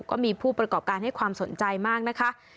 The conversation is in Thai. ก็มีผู้ประกอบการให้ความสนใจมากนะคะ